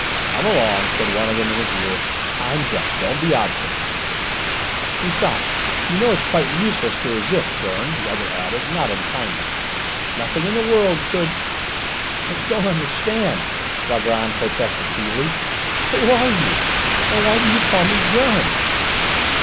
"Come along," said one of them in his ear. "Time's up. Don't be obstinate." "Besides, you know it's quite useless to resist, Gurn," the other added, not unkindly. "Nothing in the world could " "I don't understand," Valgrand protested feebly. "Who are you? And why do you call me Gurn?"